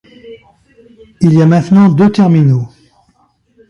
Il y a maintenant deux terminaux.